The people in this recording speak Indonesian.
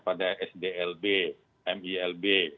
pada sdlb milb